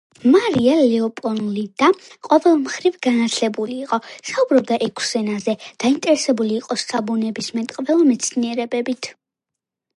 მარია ლეოპოლდინა ყოველმხრივ განათლებული იყო: საუბრობდა ექვს ენაზე, დაინტერესებული იყო საბუნებისმეტყველო მეცნიერებებით.